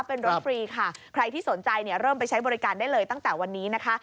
เป็นรถฟรีค่ะใครที่สนใจเนี่ยเริ่มไปใช้บริการได้เลยตั้งแต่วันนี้นะคะ